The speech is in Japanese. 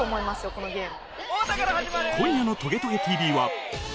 このゲーム。